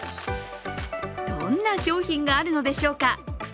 どんな商品があるのでしょうか。